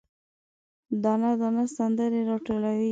دانه، دانه سندرې، راټولوي